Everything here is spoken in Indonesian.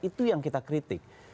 itu yang kita kritik